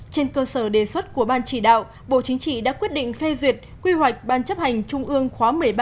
trên cơ sở đề xuất của ban chỉ đạo bộ chính trị đã quyết định phê duyệt quy hoạch ban chấp hành trung ương khóa một mươi ba